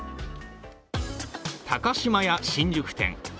高島屋新宿店。